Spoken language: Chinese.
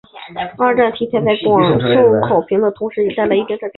二战题材在广受好评的同时也带来一定争议。